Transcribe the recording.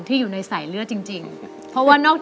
ขอจองในจ่ายของคุณตะกะแตนชลดานั่นเองนะครับ